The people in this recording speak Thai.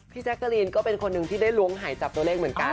แจ๊กกะลีนก็เป็นคนหนึ่งที่ได้ล้วงหายจับตัวเลขเหมือนกัน